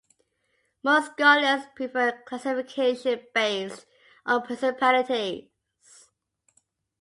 Most scholars prefer classification based on principalities.